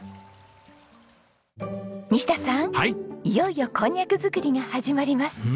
いよいよこんにゃく作りが始まります。